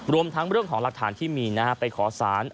รวมทั้งเรื่องของหลักฐานที่มีไปขอสาร